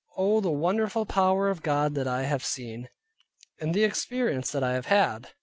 O the wonderful power of God that I have seen, and the experience that I have had.